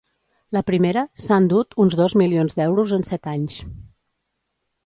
La primera s’ha endut uns dos milions d’euros en set anys.